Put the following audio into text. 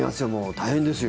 大変ですよ。